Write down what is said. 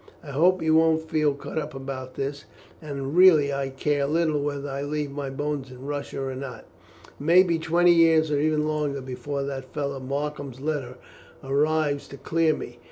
I hope you won't feel cut up about this, and really I care little whether I leave my bones in Russia or not. It may be twenty years or even longer before that fellow Markham's letter arrives to clear me.